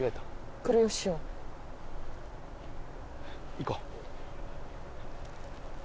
行こう。